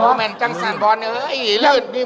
บ่อมีดาวจักรวงเลยสุดเทพ